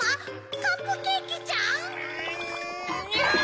⁉カップケーキちゃん⁉んにゃっ！